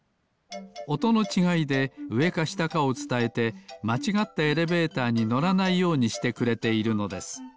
おとのちがいでうえかしたかをつたえてまちがったエレベーターにのらないようにしてくれているのです。